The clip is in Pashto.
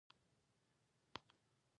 آیا د پایپ لاینونو شبکه پراخه نه ده؟